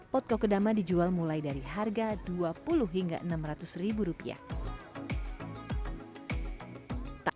pot kokedama dijual mulai dari harga dua puluh hingga enam ratus ribu rupiah